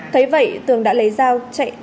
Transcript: thấy vậy tường đã lấy rao